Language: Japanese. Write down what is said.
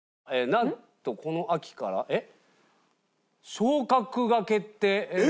「なんとこの秋から」えっ？